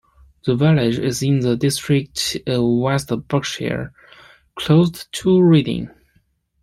The village is in the district of West Berkshire, close to Reading.